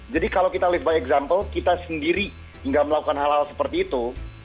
jadi kalau kita live by example kita sendiri gak melakukan hal hal seperti itu